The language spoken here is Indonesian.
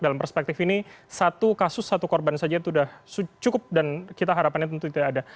dalam perspektif ini satu kasus satu korban saja sudah cukup dan kita harapannya tentu tidak ada